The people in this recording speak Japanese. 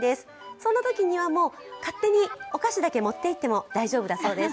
そんなときには、もう勝手にお菓子だけ持っていってもいいそうです。